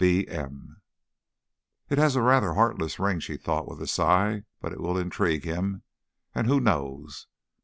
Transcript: B. M." "It has a rather heartless ring," she thought with a sigh, "but it will intrigue him, and who knows?